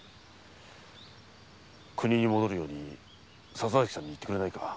国に戻るように笹崎さんに言ってくれないか。